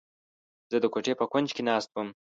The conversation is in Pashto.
زه د کوټې په کونج کې ناست نه وم.